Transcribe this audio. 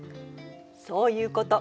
そういうこと。